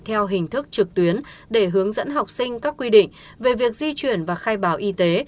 theo hình thức trực tuyến để hướng dẫn học sinh các quy định về việc di chuyển và khai báo y tế